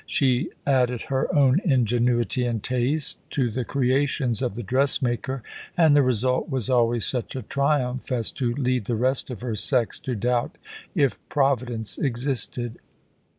She added her own ingenuity and taste to the creations of the dressmaker, and the result was always such a triumph as to lead the rest of her sex to doubt if Providence existed.